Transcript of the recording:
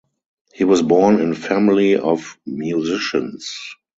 He was born in family of musicians.